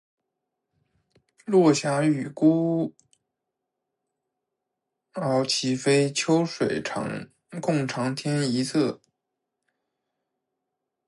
落霞与孤鹜齐飞，秋水共长天一色